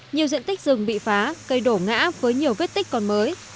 nhiều diện tích rừng bị phá cây đổ ngã với nhiều vết tích còn mới